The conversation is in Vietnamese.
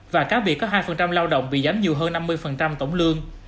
và các việc có hai lao động bị giảm nhiều hơn năm mươi tổng lương